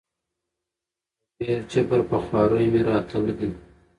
په ډېر جبر په خواریو مي راتله دي